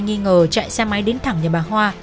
nghi ngờ chạy xe máy đến thẳng nhà bà hoa